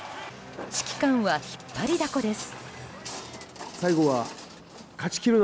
指揮官は引っ張りだこです。